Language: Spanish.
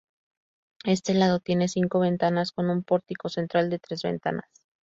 Este lado tiene cinco ventanas, con un pórtico central de tres ventanas.